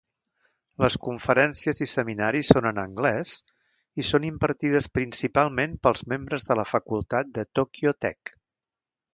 Les conferències i seminaris són en anglès i són impartides principalment pels membres de la facultat de Tòquio Tech.